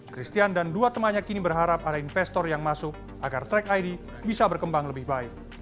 christian dan dua temannya kini berharap ada investor yang masuk agar track id bisa berkembang lebih baik